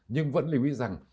nhưng vẫn lưu ý rằng